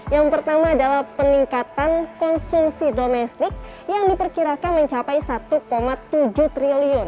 yang pertama adalah peningkatan konsumsi domestik yang diperkirakan mencapai rp satu tujuh triliun